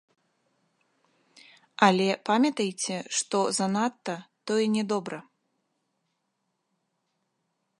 Але памятайце, што занадта, тое не добра.